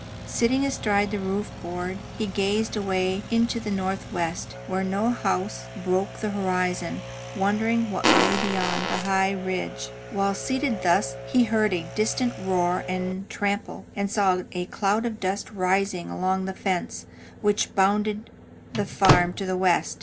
Sitting astride the roof board, he gazed away into the northwest, where no house broke the horizon line, wondering what lay beyond the high ridge. While seated thus, he heard a distant roar and trample, and saw a cloud of dust rising along the fence which bounded the farm to the west.